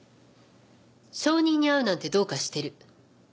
証人に会うなんてどうかしてる。